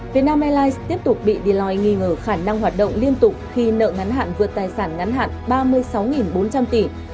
việt nam airlines tiếp tục bị deoi nghi ngờ khả năng hoạt động liên tục khi nợ ngắn hạn vượt tài sản ngắn hạn ba mươi sáu bốn trăm linh tỷ